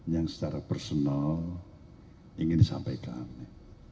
yang secara personal ingin disampaikan